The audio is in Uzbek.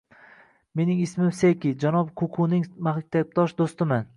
Mening ismim Seki, janob Kukining maktabdosh do`stiman